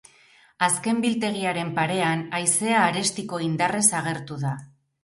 Azken biltegiaren parean haizea arestiko indarrez agertu da.